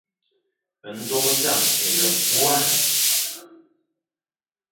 É ndo zam é ne abua.